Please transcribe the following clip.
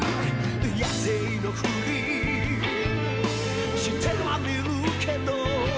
「野生のフリしてはみるけど」